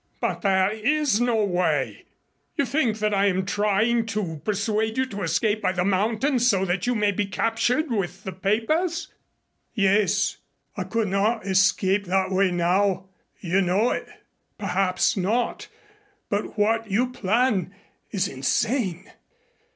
"But there is no way. You think that I am trying to persuade you to escape by the mountains so that you may be captured with the papers?" "Yes. I could not escape that way now. You know it." "Perhaps not, but what you plan is insane."